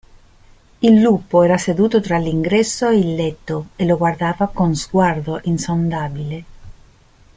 Il lupo era seduto tra l'ingresso e il letto, e lo guardava con sguardo insondabile.